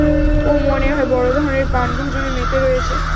ও মনে হয় বড় ধরণের পানভোজনে মেতে রয়েছে।